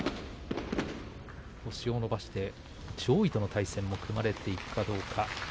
星を伸ばして上位との対戦も組まれていくかどうか。